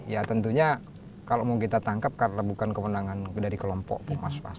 ya tentunya kalau mau kita tangkep karena bukan kewenangan dari kelompok pun mas